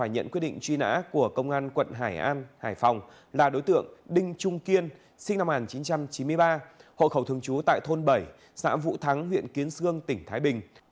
hội khẩu thường chú tại thôn bảy xã vũ thắng huyện kiến sương tỉnh thái bình